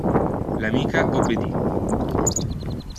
L'amica obbedì.